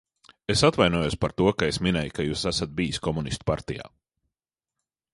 Es atvainojos par to, ka es minēju, ka jūs esat bijis komunistu partijā.